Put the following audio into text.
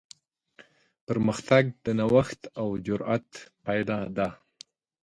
پرمختګ د نوښت او جرات پایله ده.